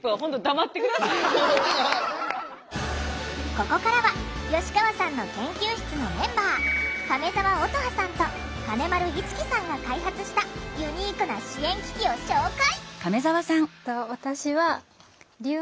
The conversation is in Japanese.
ここからは吉川さんの研究室のメンバー亀澤音羽さんと金丸一樹さんが開発したユニークな支援機器を紹介！